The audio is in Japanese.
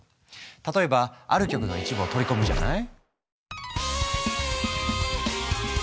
例えばある曲の一部を取り込むじゃない？